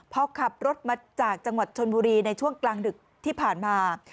พอขับรถมาจากจังหวัดชนบุรีในช่วงกลางดึกที่ผ่านมา